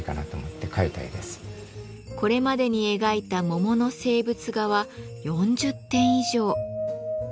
これまでに描いた桃の静物画は４０点以上。